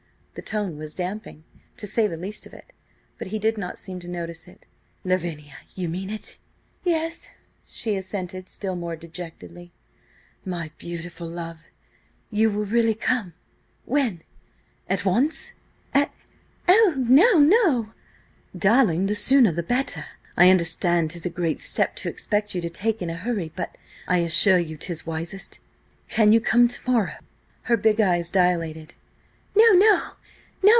The tone was damping, to say the least of it, but he did not seem to notice it. "Lavinia! You mean it?" "Yes," she assented, still more dejectedly. "My beautiful love! You will really come? When? At once?" "At— Oh, no, no!" "Darling, the sooner the better. I understand 'tis a great step to expect you to take in a hurry, but I assure you 'tis wisest. Can you come to morrow?" Her big eyes dilated. "No! No!